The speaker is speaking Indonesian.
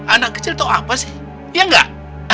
anak kecil tau apa sih iya gak